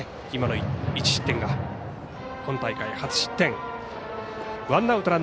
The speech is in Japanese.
今の１失点が今大会、初失点。